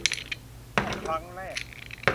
แค่ครั้งแรก